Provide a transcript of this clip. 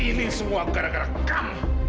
ini semua gara gara kamu